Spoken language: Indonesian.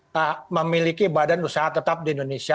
kita memiliki badan usaha tetap di indonesia